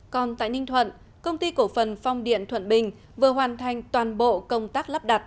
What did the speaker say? còn tại ninh thuận công ty cổ phần phong điện thuận bình vừa hoàn thành toàn bộ công tác lắp đặt